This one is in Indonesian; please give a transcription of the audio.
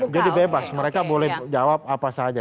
jadi bebas mereka boleh jawab apa saja